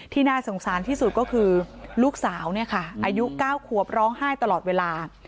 น่าสงสารที่สุดก็คือลูกสาวเนี่ยค่ะอายุ๙ขวบร้องไห้ตลอดเวลา